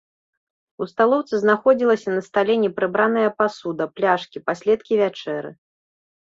У сталоўцы знаходзілася на стале непрыбраная пасуда, пляшкі, паследкі вячэры.